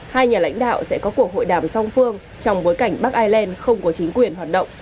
hai nhà lãnh đạo sẽ có cuộc hội đàm song phương trong bối cảnh bắc ireland không có chính quyền hoạt động